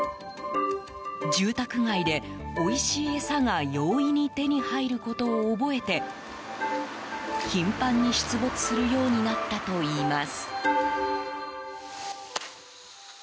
住宅街でおいしい餌が容易に手に入ることを覚えて頻繁に出没するようになったといいます。